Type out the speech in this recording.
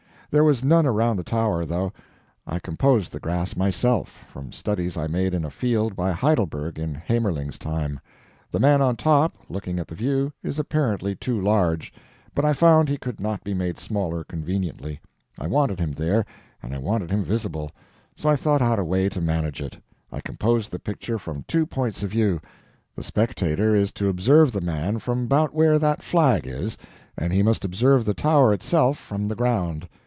There was none around the tower, though; I composed the grass myself, from studies I made in a field by Heidelberg in Haemmerling's time. The man on top, looking at the view, is apparently too large, but I found he could not be made smaller, conveniently. I wanted him there, and I wanted him visible, so I thought out a way to manage it; I composed the picture from two points of view; the spectator is to observe the man from bout where that flag is, and he must observe the tower itself from the ground.